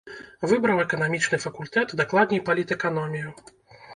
Выбраў эканамічны факультэт, дакладней палітэканомію.